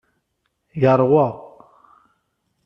Yeṛwa.